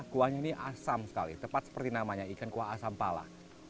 kuahnya ini asam sekali tepat seperti namanya ikan kuah asam pala